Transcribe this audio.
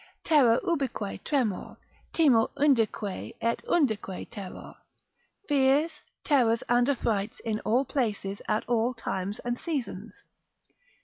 Terror ubique tremor, timor undique et undique terror. Fears, terrors, and affrights in all places, at all times and seasons.